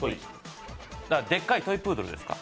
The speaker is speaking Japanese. だから、でっかいトイプードルですか？